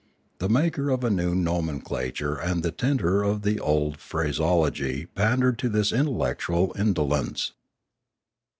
The maker of a new nomenclature and the tinter of the old phrase ology pandered to this intellectual indolence.